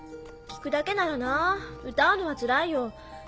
聴くだけならなぁ歌うのはつらいよ。